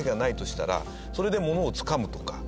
それで物をつかむとか。